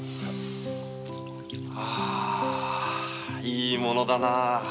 いいものだなぁ。